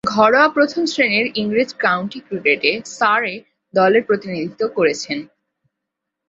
ঘরোয়া প্রথম-শ্রেণীর ইংরেজ কাউন্টি ক্রিকেটে সারে দলের প্রতিনিধিত্ব করেছেন।